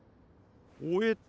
終えた？